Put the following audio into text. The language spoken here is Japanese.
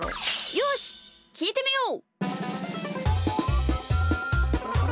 よしきいてみよう！